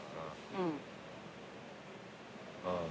うん。